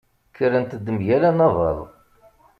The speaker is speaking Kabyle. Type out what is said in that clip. Kkrent-d mgal anabaḍ.